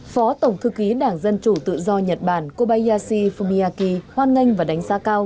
phó tổng thư ký đảng dân chủ tự do nhật bản kobayasu fumiaki hoan nghênh và đánh giá cao